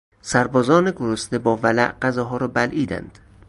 سربازان گرسنه با ولع غذاها را بلعیدند.